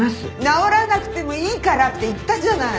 治らなくてもいいからって言ったじゃない。